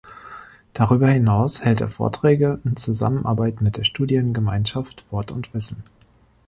Darüber hinaus hält er Vorträge in Zusammenarbeit mit der Studiengemeinschaft Wort und Wissen.